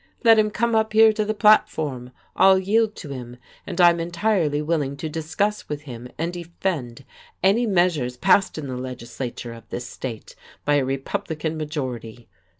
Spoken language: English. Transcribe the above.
"Let him come up here to the platform. I'll yield to him. And I'm entirely willing to discuss with him and defend any measures passed in the legislature of this state by a Republican majority.